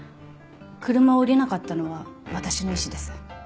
車を降りなかったのは私の意思です。